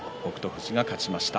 富士が勝ちました。